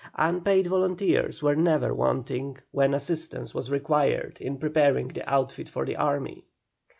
Unpaid volunteers were never wanting when assistance was required in preparing the outfit of the army.